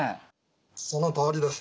そのとおりです。